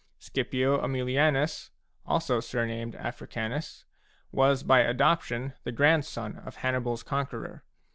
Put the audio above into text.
Scipio Aemilianus, also surnamed Africanus, was by adop tion the grandson of HannibaFs conqueror.